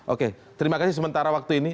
oke terima kasih sementara waktu ini